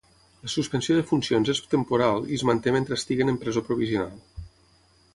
La suspensió de funcions és temporal i es manté mentre estiguin en presó provisional.